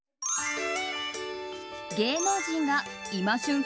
芸能人が今旬